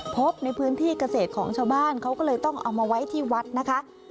พบในพื้นที่เกษตรของชาวบ้านเขาก็เลยต้องเอามาไว้ที่วัดนะคะ